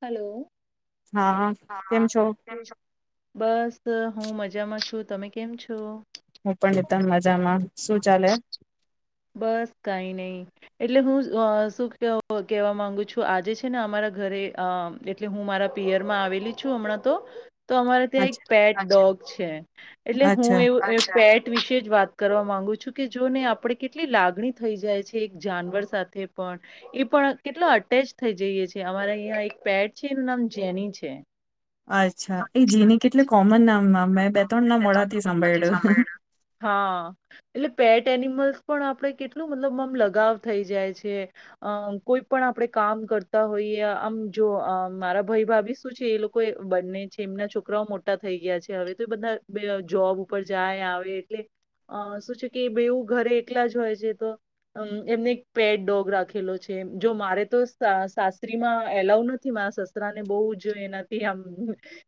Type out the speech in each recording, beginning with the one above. Hello હા કેમ હા છો કેમ છો બસ હું મજામાં છું તમે કેમ છો હું પણ નિતમ મજામાં શું ચાલે બસ કઈ નહી એટલે હું શું કેવા માંગુ છું આજે છે ને અમારા ઘરે એટલે હું મારા પિયર માં આવેલી છું હમણાં તો તો અમારે ત્યાં એક અચ્છા પેટ ડોગ છે એટલે હું અચ્છા એું પેટ વિશે વાત કરો માંગુ છું કે જો ને આપણે કેટલી લાગણી થઈ જાય છે એક જાનવર સાથે પણ એ પણ કેટલો અટેચ થઈ જઈએ છે અમારા અહં એક પેટ છે એનું નામ જેની છે અચ્છા એ જીની કેટલે કોમન નામ [inaudible] [inaudible] હા એટલે પેટ એનિમલ્ પણ આપડે કેટલું મતલબ આમ લગાવ થઈ જાય છે અ કોઈ પણ આપણેે કામ કરતા હોઈએ આમ જો મારા ભાઈ ભાભી શું છે એ લોકો બંને છે એમના છોકરાઓ મોટા થઈ ગયા છે હવે તો એ બધા જોબ ઉપર જાય આવે એટલે શું છે કે બેવું ઘરે એકલા જ હોય છે તોમ એમને એક પેટ ડોગ રાખેલો છે જો મારે તો સાસરીમાં એલાવ નથી મારા સસરા ને બહ જ એનાથી આમ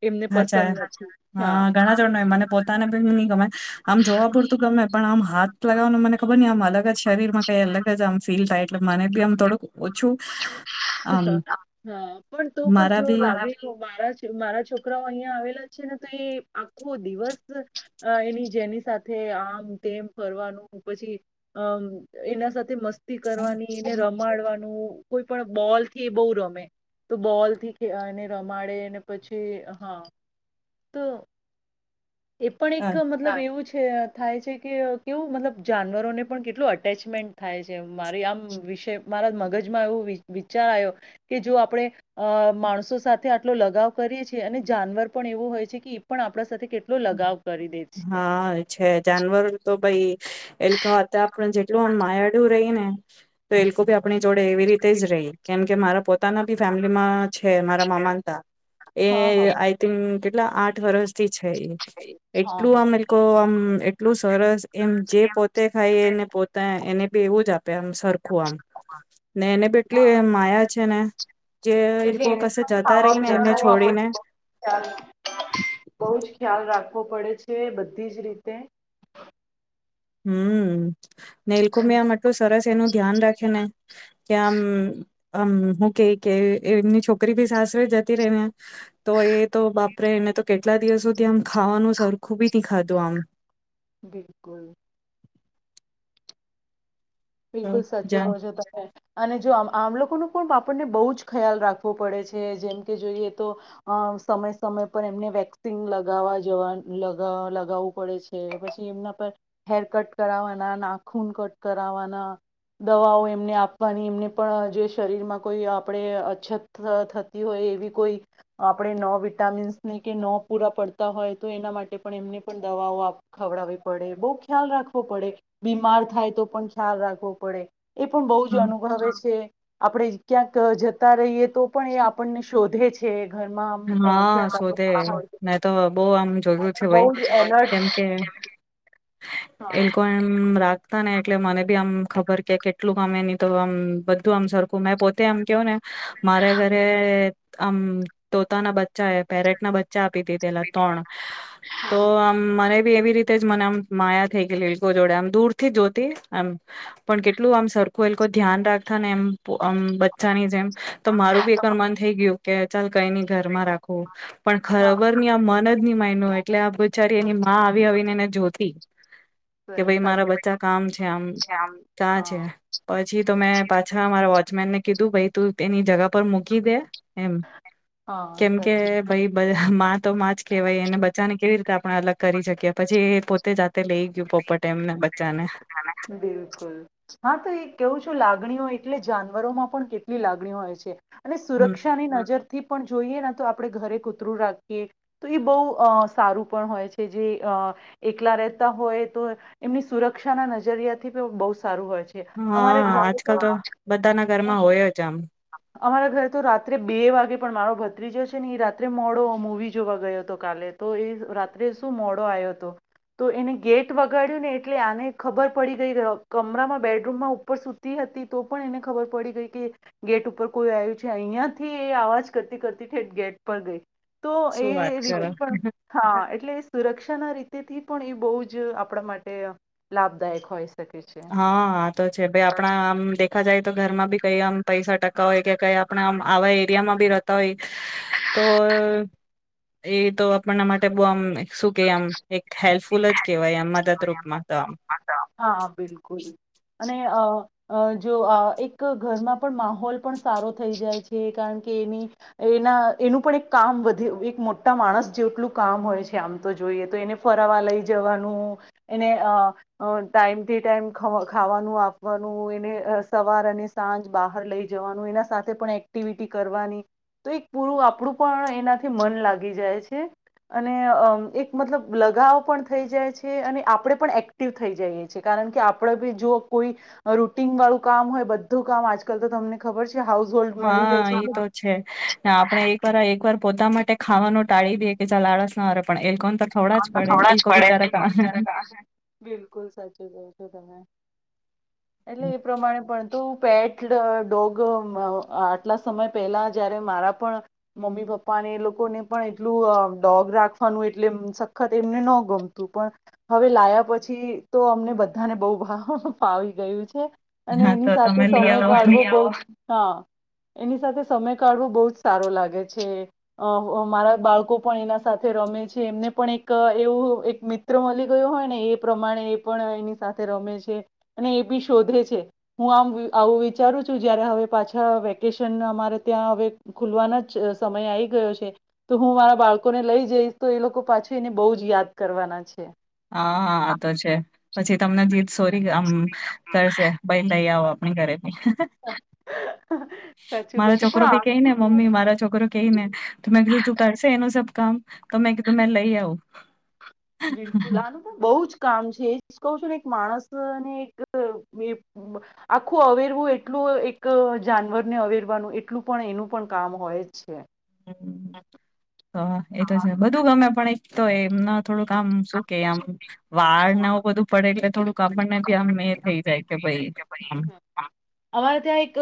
એમને અચ્છા પસંદ નથી હા ઘણા જણ ને મને પોતાને પણ ની ગમે આમ જોવા પુરતું ગમે પણ આમ હાથ લગાવવાને મને ખબર ન આમ અલગ જ શરીરમાં કઈ અલગ જ આમ ફીલ થાય એટલે મને બી આમ થોડુંક ઓછું આમ [unintelligible] હા પણ તો પણ મારા જો લ બી [unintelligible] મારા મારા છોકરાઓ અહિયાં આવેલા છે ને તો એ આખો દિવસ એની જેની સાથે આમ તેમ ફરવાનું પછી અ એના સાથે મસ્ત કરવાની એને રમાડવાનું કોઈ પણ બોલ થી બહુ રમે તો બોલ થી એને રમાડે અને પછી હા તો એ પણ એક મતલબ એવું છે થાય છે કે કેવું મતલબ જાનવરોને પણ કેટલું અટેચમેન્ટ થાય છે મારી આમ વિષ મારા મગજ વિચાર આવ કે જો આપણે માણસો સાથે આટલો લગાવ કરીએ છીએ અને જાનવર પણ એવું હોય છે કે એ પણ આપણા સાથે કેટલો લગાવ કરી દે છે. હા છે જાનવર તો ભાઈ એલખ હતા આપણ જેટલું આમ માયાડું રહી ને તો એ લોકો ભી આપણી જોડે એવી રીતે જ રહી કેમ કે મારા પોત પોતાના બી ફેમિલીમાં છે મારા મામા હતા એ હા હા આઈ થીન કેટલા આઠ વર્ષથી છે એટલું આમ હા એ લોકો આમ એટલું સરસ એમ જે પોતે ખાઈને પોતે એને બી એવું જ આપે આમ. સરખું આમ ને એને બ એટલી હા માયા છે ને જે એ એટલે લોકો એને કશે પણ જતા ખાવા રહી ને એને પીવાનો છોડીને. આપણે ખ્યાલ આપ પડે છે બધી જ રીતે. હમ નેલકુંભી આમટલું સરસ એનું ધ્યાન રાખેને. કે આમ હમ હું કે કે એમની છોકરી ભી સાસરે જતી ર ને તો એ તો બાપરે એને તો કે કેટલા દિવસોથી આમ ખાવાનું સરખું બી ખાધું આમ. બિલકુલ. આમ બિલકુલ તો સચું જાણ હો જો તો હ અને જો આમ આમ લોકોનું પણ આપણને બહુ જ ખ્યાલ રાખવો પડે છે જેમ કે જોઈએ તો અ સમય સમય પર એમને વેક્સિંગ લગાવવા જવા લગાવવું પડે છે પછી એમના પર હેર કટ કરાવવાના નાખૂન કટ કરાવવાના. દવાઓ એમને આપવાની એમને પણ જે શરીર માં કોઈ આપણે અછત થતી હોય એવી કોઈ આપણે ન વિટામીન્સ ની કે ન પૂરા પડતા હોય તો એના માટે પણ એમને પણ દવાઓ ખવડાવવી પડે બહ ખ્યાલ રાખવો પડે બીમાર થાય તો પણ ખ્યાલ રાખવું પડે. એ પણ બહુ જ અનુભવે છે. આપડણે ક્યાંક જતા રહીએ. તો પણ એ આપણને શોધે છે. છે. હા શોધે મેં તો બહ આમ જોયું છે બહુ ભાઈ જ એલર્ટ કેમકે હા એ લોકો એમ રાખતા ને એટલે મને બી આમ. ખબર કે કેટલું ગમે એ નની તો આમ બધું આમ સરખું મે પોતે આમ કેહો ને મારે ઘરે હમ તોતાના બચ્ચા એ પેરેટના બ્ચા ચા પી દીધેલા ત્રણ તો આમ મને. એવી રીતે જ મને આમ માયા થઈ કે એલકો જોડે આમ દૂર થી જોતી એમ પણ કેટલું આમ સરખું એલ ધ્યાન રાખતા ને એમ આમ બચ્ચાની જેમ. તો મારું બી એકરમાન થઈ ગયું. [inaudible] કઈની ઘરમાં રાખવું. પણ ખરાબર ની આ મન જ ની મા ન એટલે આ બચારી એની આવી આવી ને એને જોતી. કે હા ભાઈ મારા સાચું બચ્ચા કામ છે આમ કા હા છે પછી તો મેં પાછા મારા વોચમેન ને કીધું ભાઈ તું તેની જગા પર મૂકી દે. હા કેમ સાચું કે ભાઈ બધા મા તો માં જ કહેવાય એને બચાને કેવી રીતે આપણે અલગ કરી શકીએ પછી એ પોતે જાતે લઈ ગયું પોપરટે એમને. બચ્ચાને બિલકુલ હા તો એ કેવું છે. ું લાગણીઓ એટલે જાનવરોમાં પણ કેટલી લાગણીઓ હોય છે. અને હમ સુરક્ષા ની નજર થી પણ જોઈએ તો આપણે ઘરે કૂતરું રાખીએ તો એ બહુ સારું પણ હોય છે જે એકલા રહેતા હોય તો એમની સુરક્ષ. કક્ષાના નજરિયા થી બહુ સારું હોય છે. અમારે હા ઘરે આજકાલ તો હા બધાના ઘરમાં હોય જ આમ. અમારા ઘરે તો રાત્રે બે વાગે પણ મારો ભત્રીજો છે ને એ રાત્રે મોડો મૂવી જોવા ગયો હતો કાલે તો એ રાત્રે શું મોડો આવ્યો હતો તો એને ગેટ વગાડ્યું ને એટલે આને ખબર પડી ગઈ કમરામાં બેડરૂમમાં ઉપર સુતી હતી તો પણ એને ખબર પડી ગઈ કે ગેટ ઉપર કોઈ આવ્યું છે અહિયાં થી એ આવાજ કરતી કરતી ઠે ગેટ પર ગઈ. તો શું એ વાત કરો રી હા એટલે સુરક્ષા છા ના રીતે થી પણ એ બહુ જ આપણા માટે લાભદાયક હોય છે. હા હ તો છે ભ આપણા આમ દેખા જાય તો ઘરમાં બી કઈ આમ પૈસા ટકા હોય કે કઈ આપણા આમ આવા એરિયામાં બી રહેતા હોય તો એ તો આપણના માટે બહ આમ. શું કે આમ એક હેલ્પફુલ જ કેહેવાય એમ મદદરૂૂપમાં તો આમ. ખુશ અને જો એક ઘરમાં પણ માહોલ પણ સારો થઈ જાય છે કારણ કે એની એના એનું પણ એક કામ વધે એક મોટા માણસ જેટલું કામ હોય છે આમ. તો જોઈએ તો એને ફરવા લઈ જવાનું એને ટાઈમ ટી ટાઈમ ખાવાનું આપવાનું એને સવાર અને સાંજ બહાર લઈ જવાનું એના સાથે પણ એક્ટિવિટી કરવાની તો એક પૂરું આપણું પણ એનાથી મન લાગી જાય છે અને એક મતલબ લગાવ પણ થઈ જાય છે અને આપણે પણ એક્ટિવ થઈ જઈએ છ છેએ કારણ કે આપણે બી જો કોઈ રૂટીન વાળું કામ હોય બધું કામ આજકાલ તો તમને ખબર છે. હાઉસ હોલ્ડ મળી રહે હા એ તો એટલે છે આપડણે એક વાર એક વાર પોતા માટે ખાવાનું ટાળી દે કે લાળસ ના પણ એ લોકોને તો ખવડા જ પડે ખ એ જ લોકો બિચારા કા પડે બિલકુલ સાચી ક છો તમે એટલે એ પ્રમાણે પણ તો પેટ ડોગ આટલા સમય પહેલા જયારે મારા પણ મમ્મી પપ્પા અને એ લોકોને પણ એટલું ડોગ રાખવાનું. એટલે સખત એમને ન ગમતું પણ હવે લાયા પછી તો અમને બધાને બહુ ભાવાવી ગયું છે. અને હા એની તો તમે સાથે લઈ સમય આવો કાળવો બહ. હા એની સાથે સમય કાઢવો બહુ જ સારો લાગે છે અરા બાળકો પણ એના સાથે રમે છે. જે એમને પણ એક એવું એક મિત્ર મળી ગયો હોય ને એ પ્રમાણે એ પણ એની સાથે રમે છે અને એ બી શોધે છે હું આમ આવું વિચારું છું જયારે હવે પાછા વેકેશન અમારે ત્યાં હવે ખુલવાનો જ સમય આવી ગયો છે તો હું મારા બાળકોને લઈ જઈશ. તો એ લોકો પાછું એને બહુ જ યાદ કરવાના છે. હા હા આ તો છે. પછી તમને જે સોરી આમ કરશે ભાઈ લઈ આવો આપણી ઘરે બી સાચું કહ મારા છું પણ છોકરો ભી કઈ આ ને મમ્મી મારા છોકરો કઈ ને ત મેં કીધું તું કરશે એનું સ. કામ તમે કે તમે લઈ આવું. બિલકુલ આનું બહુ જ કામ છે કહ છું ને એક માણસને એક આખું અવેરવું એટલું એક જાનવરને અવેરવાનું એટલું પણ એનું પણ કામ હોય જ છે. હ એતો છે બધું ગમે પણ એક તો એમના. થોડુંક આમ શું કેમ વાળ હા નાવ બધું પડે એટલે થોડુંક આપણ ને તી આ મેં થઈ જાય. કે ભાઈ આમ અમારે ત્યાં એક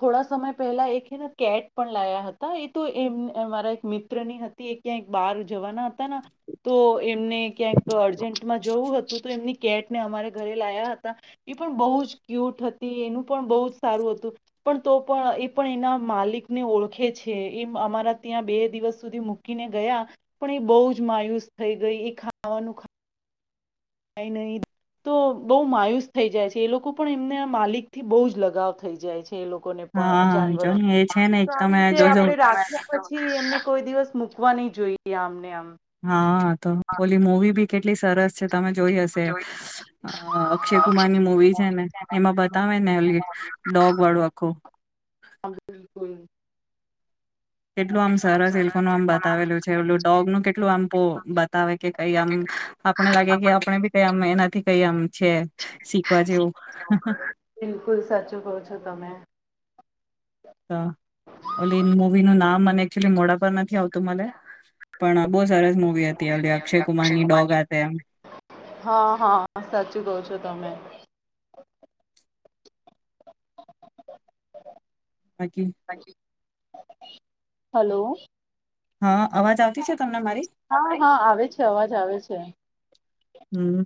થોડા સમય પહેલા એને કેટ પણ લાયા હતા એ તો એમ મારા એક મિત્રની હતી એ ક્યાંય બહાર જવાના હતા તો એમને ક્યાંક અર્જન્ટમાં જવું હતું તો એમની કેટ ને અમારે ઘરે લાયા હતા એ પણ બહુ જ ક્યુટ હતી એનું પણ બહુ જ સારું હતું પણ તો પણ એ પણ એના માલિકને ઓળખે છે એ અમારા ત્યાં બે દિવસ સુધી મૂકીને ગયા પણ એ બહુ જ માયુસ થઈ ગઈ એ ખાવાનું. કઈ નહી તો બહુ માયુસ થઈ જાય છે એ લોકો પણ એમને માલિક થી બહુ જ લગાવ થઈ જાય છે. લોકોને પણ હા જો જાનવરો ને એ છે ને એક આવી તમે રીતે જોજો આપણે રાખ્યા પછી એમને કોઈ દિવસ મૂકવા નહી જોઈએ આમનેમ. હા તો ઓલી મૂવી કેટલી સરસ છે. તમે જોઈ હશે અક્ષય કુમારની મુવી છે ને એમાં બતાવે ને ડોગ વાળો આખું. બિલકુલ કેટલું આમ સરસિલ્કોનું આમ બતાવેલું છે એલું ડોગનું કેટલું આમ બતાવે કે કઈ આમ આપણે લાગે કે આપણે બી કઈ આમ એનાથી કઈ આમ છે શીખવા જેવું બિલકુલ સાચું કહો છો તમે ઓલી મવી નું નામ મને એકચુલી મોડા પર નથી આવતું મને પણ બહુ સરસ મુવી હતી ઓલી અક્ષય કુમારની ડોગ હાતે એમ હા હા સાચું કો છો તમે. [inaudible] [inaudible] બાકી હલો હા અવાજ આવતી છે. તમને મારી હા હા આવે છે અવાજ આવે છે. અચ્છા હમ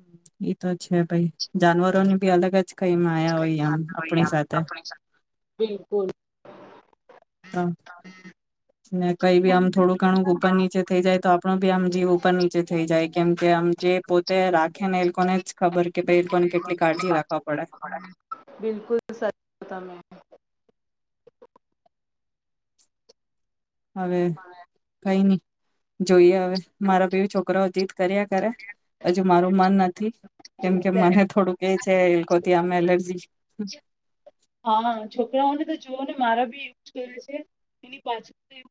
એ તો છે ભાઈ જાનવરોની ભી અલગ જ કઈ માયા હોય આમ આપણી સાથે [inaudible] હ કઈ ભી આમ થોડું ઘણું ઉપર નીચે થઈ જાય તો આપણો ભી આમ જીવ ઉપર નીચે થઈ જાય કેમ કે આમ જે પોતે રાખે ને એ લોકોને જ ખબર કે ભ એ લોકોને કેટલી કાળજી રાખવા પડે. બિલકુલ તમે હવે કઈ નહી. જોઈએ હવે મારા બેી છોકરા જીત કર્યા કરે હજુ મારું મન નથી કેમ કે મને થોડું કે છે. કોતી આમાં એલર્જી હા છોકરાઓને તો જોવ ને મારા બી એવું જ કરે છે એની પાછું એવ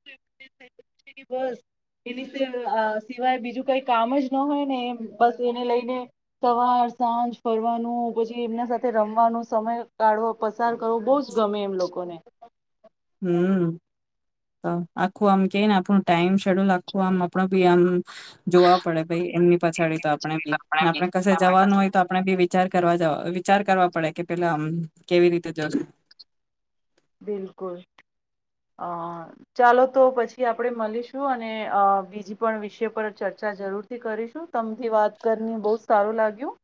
[unintelligible] એની સી અ સિવાય બીજું કઈ કામ જ ન હોય ને એમ. બસ એને લઈને સવાર સાંજ ફરવાનું. પછી એમના સાથે રમવાનું, સમય કાઢવો, પસાર કરવો બહુજ ગમે એમ લોકોને હમ્મ, તો આખું આમ કે ને આપણું ટાઈમ શેડ્યુલ આખું આમ આપણો ભી આમ જોવા પડે ભાઈ એમની પછાડી તો આપડણે બી. ને આપણે કશે હા જવાનું હોય તો આપડણે બી વિચાર કરવા જ વિચાર કરવા પડે કે પેલા આમ કેવી રીતે જશ બિલકુલ અ ચાલો તો પછી આપણે મળીશું. અને અ બીજી પણ વિષય પર ચર્ચા જરૂરથી કરીશું. તમથી વાત કરીને બહુ સારું લાગ્યું.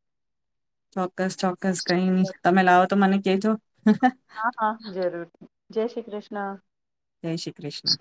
ચોક્કસ ચોક્કસ કઈ નહી તમે લાવો તો મને [inaudible] હા હા જરૂર. જય શ્રી કૃષ્ણ. જય શ્રી કૃષ્ણ.